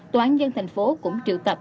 tòa nhân dân tp hcm cũng triệu tập